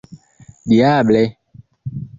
diable